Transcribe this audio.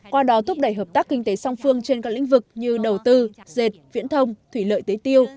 qua đó thúc đẩy hợp tác kinh tế song phương trên các lĩnh vực như đầu tư dệt viễn thông thủy lợi tế tiêu